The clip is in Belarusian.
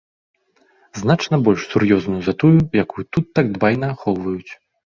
Значна больш сур'ёзную за тую, якую тут так дбайна ахоўваюць.